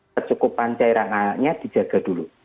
kecukupan cairan anaknya dijaga dulu